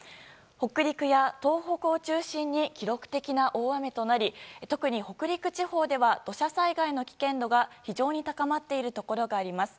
北陸や東北を中心に記録的な大雨となり特に北陸地方では土砂災害の危険度が非常に高まっているところがあります。